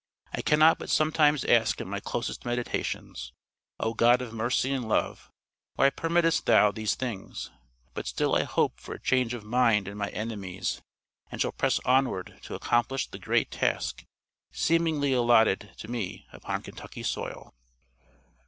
"I cannot but sometimes ask in my closet meditations: O God of mercy and love, why permittest Thou these things? But still I hope for a change of mind in my enemies, and shall press onward to accomplish the great task seemingly allotted to me upon Kentucky soil."